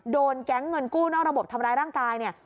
โดนแก๊งเงินกู้นอกระบบทำร้ายร่างกายเนี่ย